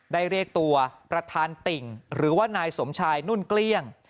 เรียกตัวประธานติ่งหรือว่านายสมชายนุ่นเกลี้ยง